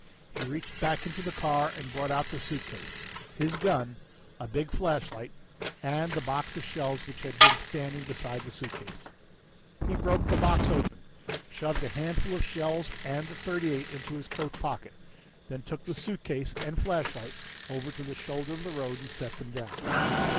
He reached back into the car and brought out the suitcase, his gun, a big flashlight and the box of shells which had been standing beside the suitcase. He broke the box open, shoved a handful of shells and the .38 into his coat pocket, then took suitcase and flashlight over to the shoulder of the road and set them down.